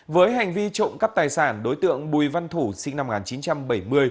với hành vi trộm cắp tài sản đối tượng bùi văn thủ sinh năm một nghìn chín trăm bảy mươi